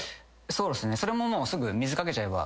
そうですねそれももう。